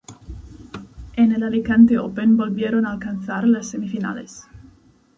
En el Alicante Open volvieron a alcanzar las semifinales.